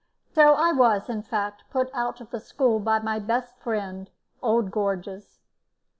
So I was, in fact, put out of the school by my best friend, old Gorges.